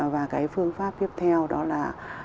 và cái phương pháp tiếp theo đó là